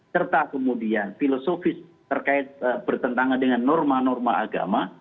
serta kemudian filosofis terkait bertentangan dengan norma norma agama